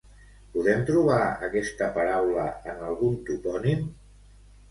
Podem trobar aquesta paraula en algun topònim?